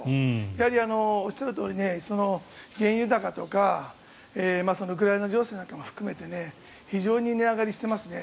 やはりおっしゃるとおり原油高とかウクライナ情勢なども含めて非常に値上がりしていますね。